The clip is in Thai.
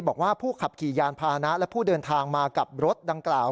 บอกว่าผู้ขับขี่ยานพานะและผู้เดินทางมากับรถดังกล่าว